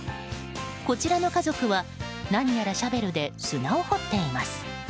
こちらの家族は何やらシャベルで砂を掘っています。